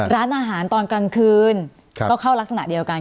ร้านอาหารตอนกลางคืนก็เข้ารักษณะเดียวกัน